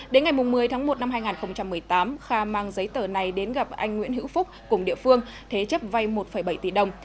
đến ngày một mươi tháng một năm hai nghìn một mươi tám kha mang giấy tờ này đến gặp anh nguyễn hữu phúc cùng địa phương thế chấp vay một bảy tỷ đồng